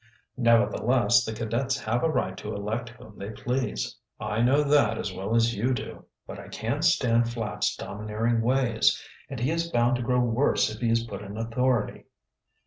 "Nevertheless, the cadets have a right to elect whom they please." "I know that as well as you do. But I can't stand Flapp's domineering ways. And he is bound to grow worse if he is put in authority."